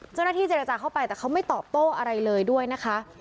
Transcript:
เจ้าหน้าที่เจรจาเข้าไปแต่เขาไม่ตอบโต้อะไรเลยด้วยนะคะ